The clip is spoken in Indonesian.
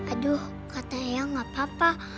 aduh kata ayah gak apa apa